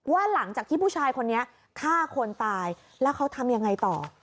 หลังจากที่ผู้ชายคนนี้ฆ่าคนตายแล้วเขาทำยังไงต่อ